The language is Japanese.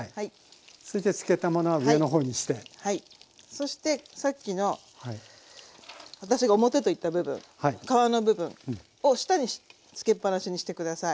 そしてさっきの私が表と言った部分皮の部分を下につけっぱなしにして下さい。